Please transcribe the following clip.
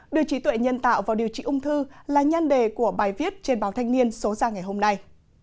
đưa trí tuệ nhân tạo vào điều trị ung thư là nhan đề của bài viết trên báo thanh niên số ra ngày hôm nay